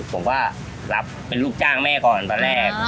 ผมก็รับเป็นลูกจ้างแม่ก่อนตอนแรก